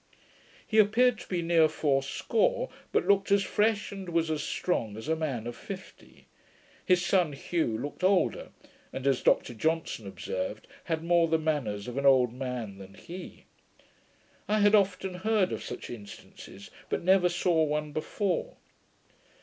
He appeared to be near fourscore; but looked as fresh, and was as strong as a man of fifty. His son Hugh looked older; and, as Dr Johnson observed, had more the manners of an old man than he. I had often heard of such instances, but never saw one before.